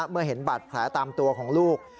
เมื่อเห็นบาดแผลตามตัวของลูก